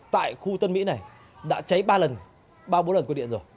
tại khu tân mỹ này đã cháy ba lần ba bốn lần quy điện rồi